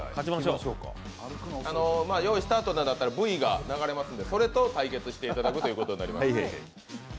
用意スタートとなったらＶが流れますからそれと対決していただくということになります。